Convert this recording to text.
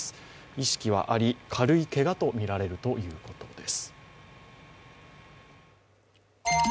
意識はあり、軽いけがとみられるということです。